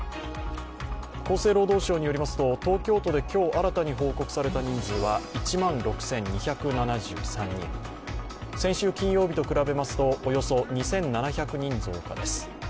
厚生労働省によりますと東京都で今日新たに報告された人数は１万６２７３人、先週金曜日と比べますとおよそ２７００人増加です。